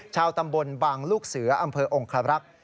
ชาวตำบลบางลูกเสืออำเภอองคารักษ์